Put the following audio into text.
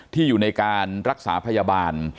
ที่อยู่ในการรักษาพยาบาล